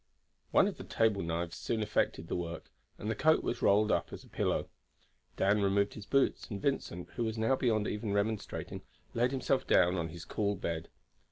One of the table knives soon effected the work, and the coat was rolled up as a pillow. Dan removed his boots, and Vincent, who was now beyond even remonstrating, laid himself down on his cool bed.